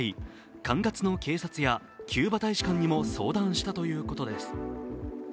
管轄の警察やキューバ大使館にも相談したということです。